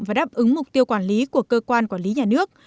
và đáp ứng mục tiêu quản lý của cơ quan quản lý nhà nước